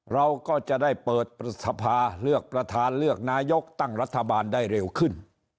เราก็จะได้เปิดสภาเลือกประธานเลือกนายกตั้งรัฐบาลได้เร็วขึ้น